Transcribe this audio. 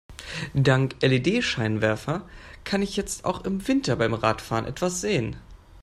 Dank LED-Scheinwerfer kann ich jetzt auch im Winter beim Radfahren etwas sehen.